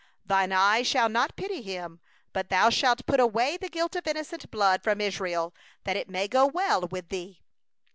13Thine eye shall not pity him, but thou shalt put away the blood of the innocent from Israel, that it may go well with thee.